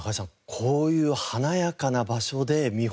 こういう華やかな場所で見本